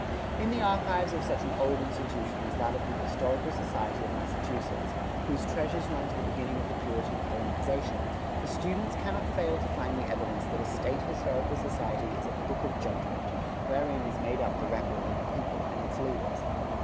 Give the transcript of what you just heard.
In the archives of such an old institution as that of the Historical Society of Massachusetts, whose treasures run to the beginnings of the Puritan colonization, the students cannot fail to find the evidence that a State Historical Society is a Book of Judgment wherein is made up the record of a people and its leaders.